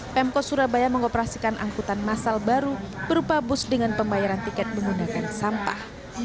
pemkot surabaya mengoperasikan angkutan masal baru berupa bus dengan pembayaran tiket menggunakan sampah